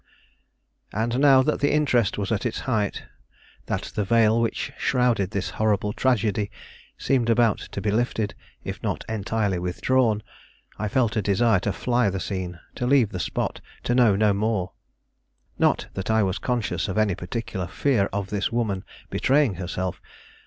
And now that the interest was at its height, that the veil which shrouded this horrible tragedy seemed about to be lifted, if not entirely withdrawn, I felt a desire to fly the scene, to leave the spot, to know no more. Not that I was conscious of any particular fear of this woman betraying herself.